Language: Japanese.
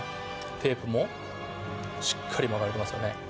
テープもしっかり巻かれてますよね